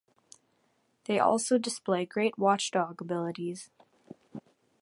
They also display great watchdog abilities.